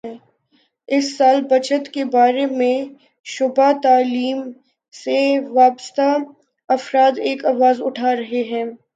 اس سال بجٹ کے بارے میں شعبہ تعلیم سے وابستہ افراد ایک آواز اٹھا رہے ہیں